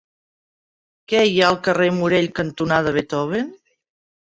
Què hi ha al carrer Morell cantonada Beethoven?